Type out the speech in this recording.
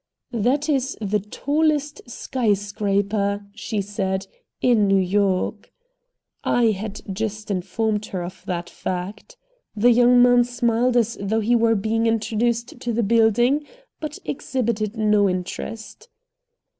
"That is the tallest sky scraper," she said, "in New York." I had just informed her of that fact. The young man smiled as though he were being introduced to the building, but exhibited no interest.